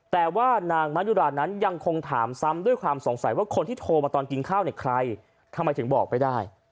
แต่ว่านางมะยุรานั้นยังคงถามซ้ำด้วยความสงสัยว่าคนที่โทรมาตอนกินข้าวเนี่ยใครทำไมถึงบอกไม่ได้